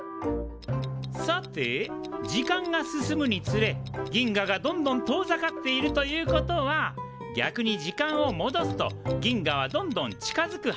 さて時間が進むにつれ銀河がどんどん遠ざかっているということは逆に時間をもどすと銀河はどんどん近づくはずですねえ。